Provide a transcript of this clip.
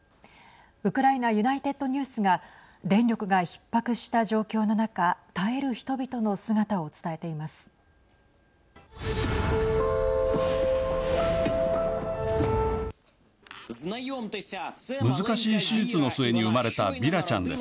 ウクライナユナイテッドニュースが電力がひっ迫した状況の中耐える人々の姿を伝えています。